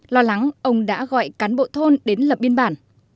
lo lắng ông đã gọi cán bộ thôn đến lập biên bản